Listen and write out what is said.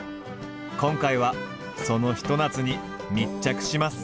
今回はそのひと夏に密着します。